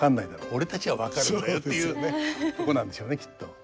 俺たちは分かるんだよ」っていうねとこなんでしょうねきっと。